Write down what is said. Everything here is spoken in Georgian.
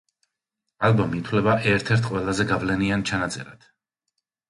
ალბომი ითვლება ერთ-ერთ ყველაზე გავლენიან ჩანაწერად.